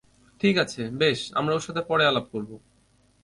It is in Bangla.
ঠিক আছে, বেশ, আমরা ওর সাথে পরে আলাপ করব।